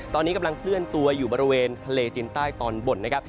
ตอนนี้กำลังเคลื่อนตัวอยู่บริเวณทะเลจินใต้ตอนบนนะครับ